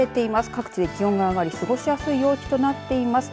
各地で気温が上がり、過ごしやすい陽気となっています。